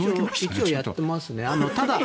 一応やってますね。